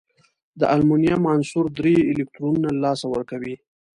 د المونیم عنصر درې الکترونونه له لاسه ورکوي.